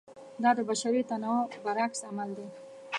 دا د بشري تنوع برعکس عمل دی.